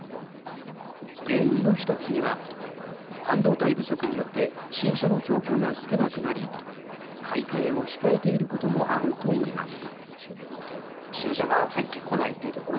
原因の１つには半導体不足によって新車の供給が少なくなり買い替えを控えていることもあるといいます。